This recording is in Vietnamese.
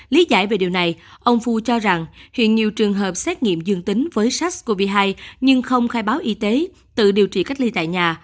lý giải về điều này ông phu cho rằng hiện nhiều trường hợp xét nghiệm dương tính với sars cov hai nhưng không khai báo y tế tự điều trị cách ly tại nhà